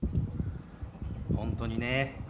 本当にね。